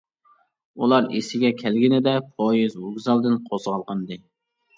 ئۇلار ئېسىگە كەلگىنىدە پويىز ۋوگزالدىن قوزغالغانىدى.